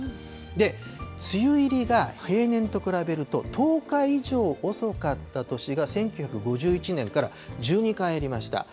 で、梅雨入りが平年と比べると１０日以上遅かった年が１９５１年から１２回ありました。